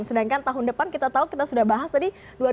sedangkan tahun depan kita tahu kita sudah bahas tadi